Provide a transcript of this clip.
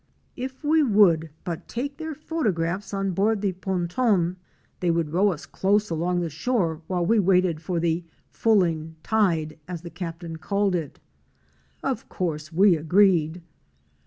If we would but take their photographs on board the '' Pon tén," they would row us close along the shore while we waited for the " fulling tide," as the Captain called it. Of course we agreed.